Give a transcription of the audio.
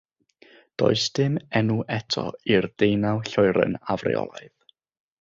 Does dim enw eto i'r deunaw lloeren afreolaidd.